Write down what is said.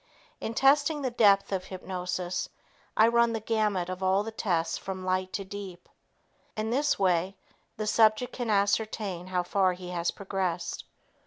In testing the depth of hypnosis, I run the gamut of all of the tests from light to deep. In this way, the subject can ascertain how far he has progressed.